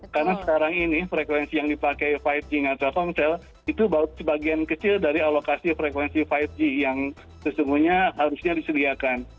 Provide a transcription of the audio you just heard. karena sekarang ini frekuensi yang dipakai lima g ngacau ngacau itu sebagian kecil dari alokasi frekuensi lima g yang sesungguhnya harusnya disediakan